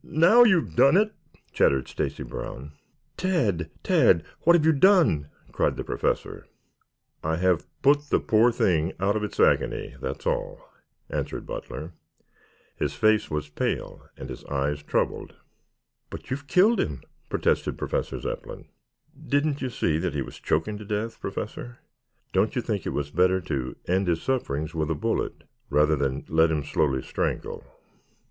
"N n n now you've done it," chattered Stacy Brown. "Tad, Tad! What have you done?" cried the Professor. "I have put the poor thing out of its agony, that's all," answered Butler. His face was pale and his eyes troubled. "But you've killed him," protested Professor Zepplin. "Didn't you see that he was choking to death, Professor? Don't you think it was better to end his sufferings with a bullet rather than let him slowly strangle?"